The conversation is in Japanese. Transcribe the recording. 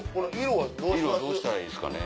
色はどうしたらいいですかね